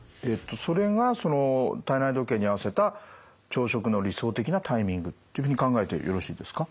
それがその体内時計に合わせた朝食の理想的なタイミングというふうに考えてよろしいですか？